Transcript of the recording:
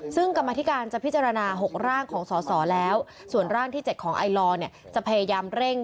ซึ่งกรรมธิการจะพิจารณา๖ร่างของสอสอแล้วส่วนร่างที่๗ของไอลอร์จะพยายามเร่ง